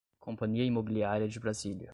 Companhia Imobiliária de Brasília